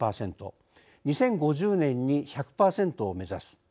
２０５０年に１００％を目指す」。